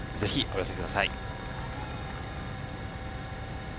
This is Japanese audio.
ぜひお寄せください。